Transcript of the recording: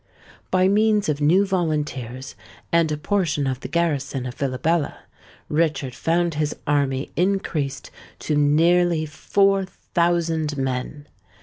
By means of new volunteers and a portion of the garrison of Villabella, Richard found his army increased to nearly four thousand men.